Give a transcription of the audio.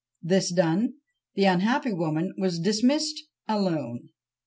This done, the unhappy woman was dismissed alone!